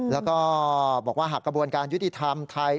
แล้วก็บอกว่าหากกระบวนการยุติธรรมไทย